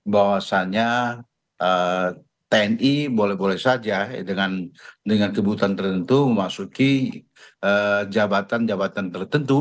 bahwasannya tni boleh boleh saja dengan kebutuhan tertentu memasuki jabatan jabatan tertentu